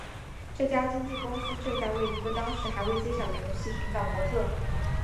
这家经纪公司正在为一个当时还未揭晓的游戏寻找模特儿。